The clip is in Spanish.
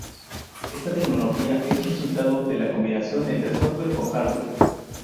Esta tecnología es resultado de la combinación entre software con hardware.